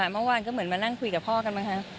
เมื่อวานก็เหมือนมานั่งคุยกับพ่อกันบ้างคะ